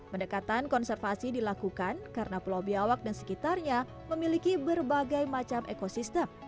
pendekatan konservasi dilakukan karena pulau biawak dan sekitarnya memiliki berbagai macam ekosistem